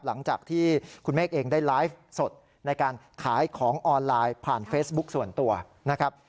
หลังจากที่คุณเมฆเองได้ไลฟ์สดในการขายของออนไลน์ผ่านเฟซบุ๊คส่วนตัวนะครับ